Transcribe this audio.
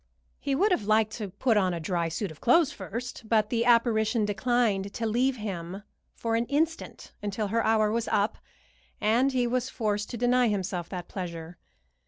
He would have liked to put on a dry suit of clothes first, but the apparition declined to leave him for an instant until her hour was up, and he was forced to deny himself that pleasure.